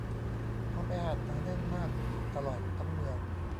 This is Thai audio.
ความแออัดหนาแน่นมากตลอดทั้งเมือง